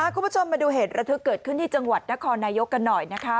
คุณผู้ชมมาดูเหตุระทึกเกิดขึ้นที่จังหวัดนครนายกกันหน่อยนะคะ